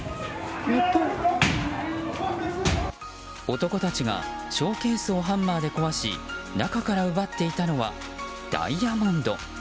男たちがショーケースをハンマーで壊し中から奪っていたのはダイヤモンド。